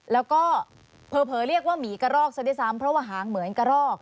แล้วก็เผลอเรียกว่าหมีกระรอกซะด้วยซ้ำเพราะว่าหางเหมือนกระรอก